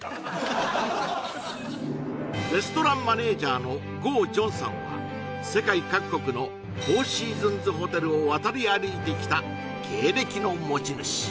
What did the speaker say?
レストランマネージャーのゴウジョンさんは世界各国のフォーシーズンズホテルを渡り歩いてきた経歴の持ち主